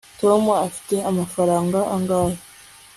tom afite amafaranga angahe